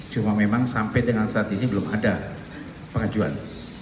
cuma memang sampai dengan saat ini belum ada pengajuan